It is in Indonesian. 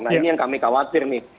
nah ini yang kami khawatir nih